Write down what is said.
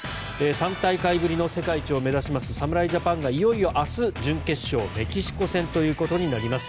３大会ぶりの世界一を目指します侍ジャパンがいよいよ明日準決勝、メキシコ戦となります。